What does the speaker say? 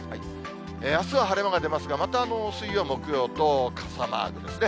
あすは晴れ間が出ますが、また水曜、木曜と傘マークですね。